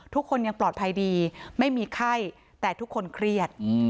ทุกคนยังปลอดภัยดีไม่มีไข้แต่ทุกคนเครียด